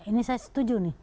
ini saya setuju nih